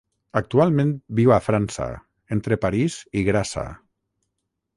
Actualment viu a França, entre París i Grassa.